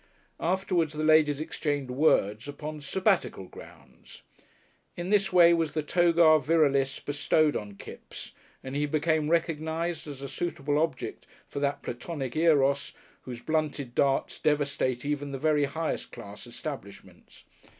Afterwards the ladies exchanged "words," upon Sabbatical grounds. In this way was the toga virilis bestowed on Kipps, and he became recognised as a suitable object for that Platonic Eros whose blunted darts devastate even the very highest class establishments.